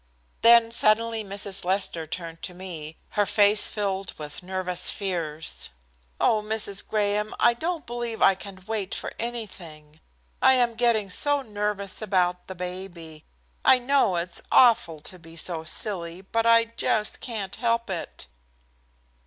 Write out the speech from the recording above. Then suddenly Mrs. Lester turned to me, her face filled with nervous fears. "Oh, Mrs. Graham, I don't believe I can wait for anything. I am getting so nervous about baby. I know it's awful to be so silly, but I just can't help it."